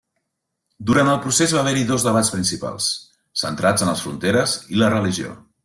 Durant el procés va haver-hi dos debats principals, centrats en les fronteres i la religió.